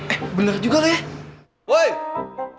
eh bener juga lo ya